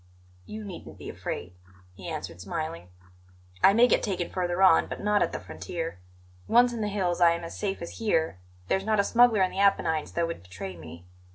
"You needn't be afraid," he answered, smiling; "I may get taken further on, but not at the frontier. Once in the hills I am as safe as here; there's not a smuggler in the Apennines that would betray me.